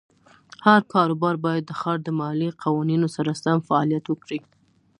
هر کاروبار باید د ښار د مالیې قوانینو سره سم فعالیت وکړي.